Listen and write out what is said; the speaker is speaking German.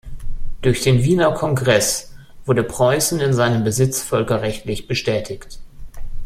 Durch den Wiener Kongress wurde Preußen in seinem Besitz völkerrechtlich bestätigt.